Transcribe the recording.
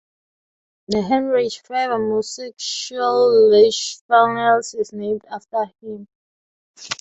The "Heinrich-Faber Musikschule Lichtenfels" is named after him.